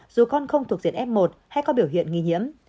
dù con không thuộc diện f một hay có biểu hiện nghi nhiễm